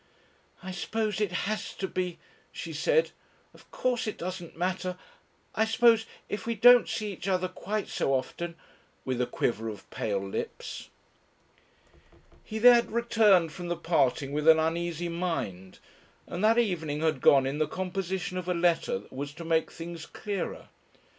"I suppose it has to be," she said. "Of course, it doesn't matter, I suppose, if we don't see each other quite so often," with a quiver of pale lips. He had returned from the parting with an uneasy mind, and that evening had gone in the composition of a letter that was to make things clearer.